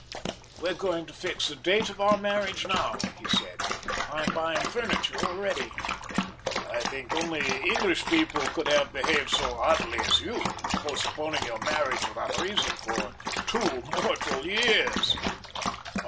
"We're going to fix the date of our marriage now," he said. "I'm buying furniture already." "I think only English people could have behaved so oddly as you, in postponing your marriage without reason for two mortal years."